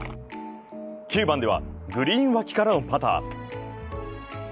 ９番ではグリーン脇からパター。